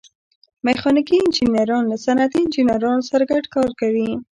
میخانیکي انجینران له صنعتي انجینرانو سره ګډ کار کوي.